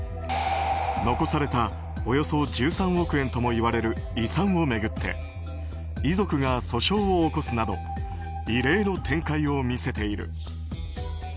残されたおよそ１３億円ともいわれる遺産を巡って遺族が訴訟を起こすなど異例の展開を見せている。